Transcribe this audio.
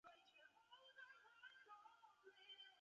同一时期曾茂兴还参加了苗栗客运司机的罢工运动。